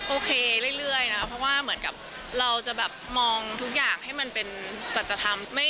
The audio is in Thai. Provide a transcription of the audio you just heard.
โอเคเรื่อยนะครับเพราะว่าเหมือนกับเราจะแบบมองทุกอย่างให้มันเป็นสัจธรรม